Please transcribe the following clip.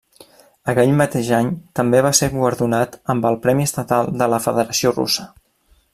Aquell mateix any també va ser guardonat amb el Premi Estatal de la Federació Russa.